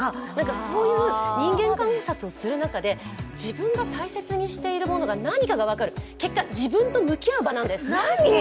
そういう人間観察をする中で自分が大切にしているものが、何かが分かる、何かが分かる結果、自分と向き合う場なんです。